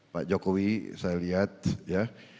pak jokowi saya lihat ya